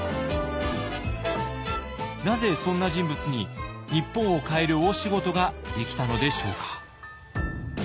なぜそんな人物に日本を変える大仕事ができたのでしょうか。